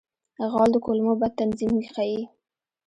غول د کولمو بد تنظیم ښيي.